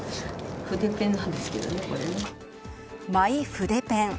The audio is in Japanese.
マイ筆ペン。